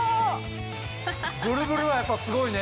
ブルブルはやっぱすごいね。